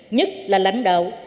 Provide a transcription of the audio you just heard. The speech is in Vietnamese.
nhất là lãnh đạo